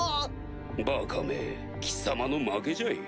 バカめ貴様の負けじゃい。